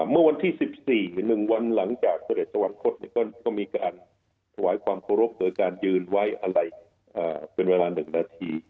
เมื่อวันที่๑๔๑วันหลังจากเสด็จสวรรคตก็มีการถวายความเคารพโดยการยืนไว้อะไรเป็นเวลา๑นาที